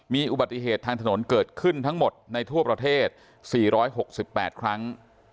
มีอุบัติเหตุทางถนนเกิดขึ้นทั้งหมดในทั่วประเทศ๔๖๘ครั้ง